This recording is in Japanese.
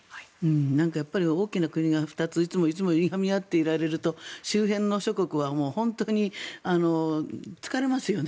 やっぱり大きな国が２ついつもいがみ合っていられると周辺の諸国が本当に疲れますよね。